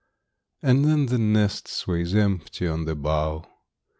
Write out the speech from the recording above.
And then the nest sways empty on the bough.